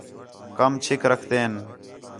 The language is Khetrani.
کم چِھک رکھتین